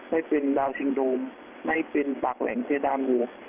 ไม่เป็นดาวซิงโดมไม่เป็นปากแหล่งเจดาวงู